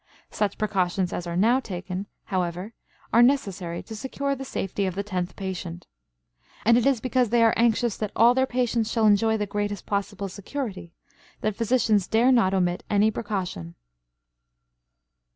Such precautions as are now taken, however, are necessary to secure the safety of the tenth patient. And it is because they are anxious that all their patients shall enjoy the greatest possible security that physicians dare not omit any precaution.